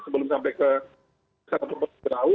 sebelum sampai ke suatu pampasan terawut